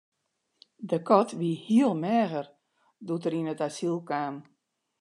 De kat wie heel meager doe't er yn it asyl kaam.